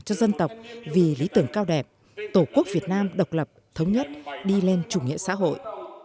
cho dân tộc vì lý tưởng cao đẹp tổ quốc việt nam độc lập thống nhất đi lên chủ nghĩa xã hội